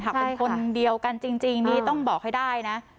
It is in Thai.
เป็นคนเดียวกันจริงนี่ต้องบอกให้ได้นะ